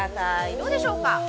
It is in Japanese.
どうでしょうか。